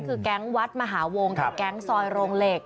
คือแก๊งวัดมหาวงกับแก๊งซอยโรงเหล็ก